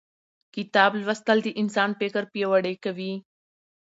کتاب لوستل د انسان فکر پیاوړی کوي